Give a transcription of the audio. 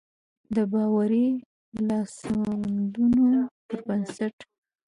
د باوري لاسوندونو پر بنسټ.